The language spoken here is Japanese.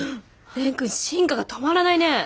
蓮くん進化が止まらないね。